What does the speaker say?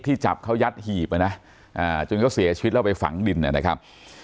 จับเขายัดหีบนะจนเขาเสียชีวิตแล้วไปฝังดินนะครับ